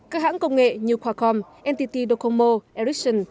các hãng công nghệ như qualcomm ntt docomo ericsson